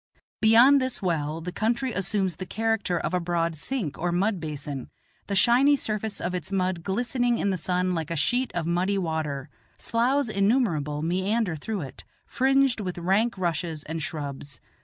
Beyond this well the country assumes the character of a broad sink or mud basin, the shiny surface of its mud glistening in the sun like a sheet of muddy water. Sloughs innumerable meander through it, fringed with rank rushes and shrubs.